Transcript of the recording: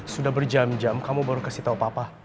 sudah berjam jam kamu baru kasih tahu papa